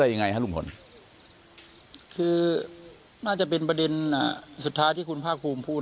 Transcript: ยังไงฮะลุงพลคือน่าจะเป็นประเด็นสุดท้ายที่คุณภาคภูมิพูด